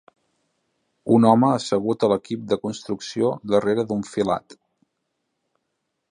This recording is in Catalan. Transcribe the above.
Un home assegut a l'equip de construcció darrere d'un filat